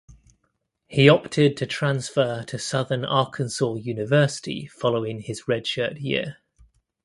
He opted to transfer to Southern Arkansas University following his redshirt year.